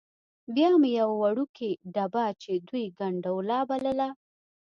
بیا مې یوه وړوکې ډبه چې دوی ګنډولا بلله.